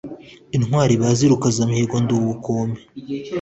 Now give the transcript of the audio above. Intwari bazi Rukazamihigo ndi ubukombe